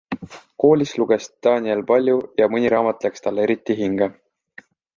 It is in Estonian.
Koolis luges Daniel palju ja mõni raamat läks talle eriti hinge.